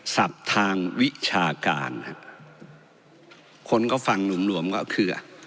ทางวิชาการฮะคนก็ฟังหลวมหวมก็คือ